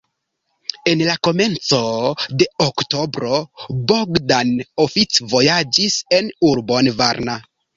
En la komenco de oktobro Bogdan oficvojaĝis en urbon Varna.